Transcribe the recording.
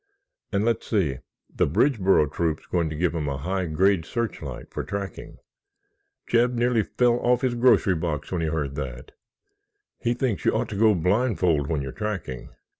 And, let's see, the Bridgeboro Troop's going to give him a high grade searchlight for tracking. Jeb nearly fell off his grocery box when he heard that! He thinks you ought to go blindfold when you're tracking.